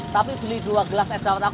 tapi beli dua gelas es daunnya